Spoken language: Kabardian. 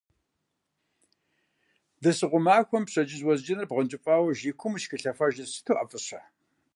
Дэсыгъуэ махуэм пщэдджыжь уэзджынэр бгъуэнкӏыфӏауэ жей куум ущыхилъафэжыр сыту ӏэфӏыщэ.